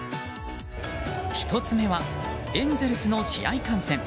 １つ目はエンゼルスの試合観戦。